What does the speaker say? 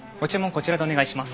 こちらでお願いします。